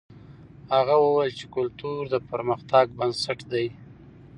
هغه وویل چې کلتور د پرمختګ بنسټ دی.